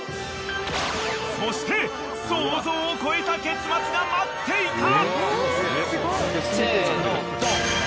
［そして想像を超えた結末が待っていた！］